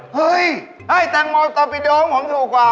เฮ้ยแตงโมตอบิโดของผมถูกกว่า